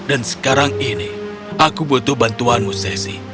dan sekarang ini aku butuh bantuanmu sese